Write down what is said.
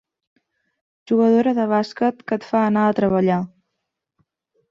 Jugadora de bàsquet que et fa anar a treballar.